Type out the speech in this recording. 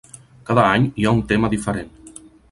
Cada any hi ha un tema diferent.